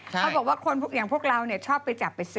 เขาบอกว่าคนอย่างพวกเราชอบไปจับไปซื้อ